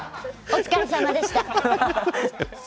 お疲れさまでした。